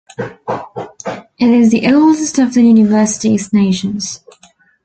It is the oldest of the university's nations.